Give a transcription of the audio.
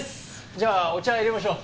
じゃお茶入れましょう。